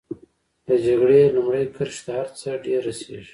د جګړې لومړۍ کرښې ته هر څه ډېر رسېږي.